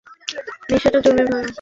নেশাটা জমে ভালো।